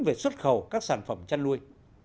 về xuất khẩu các sản phẩm chăn nuôi